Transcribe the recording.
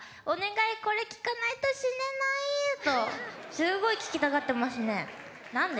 すごい聴きたがってますね。